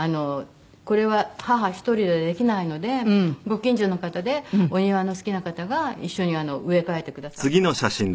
これは母１人でできないのでご近所の方でお庭の好きな方が一緒に植え替えてくださったりして。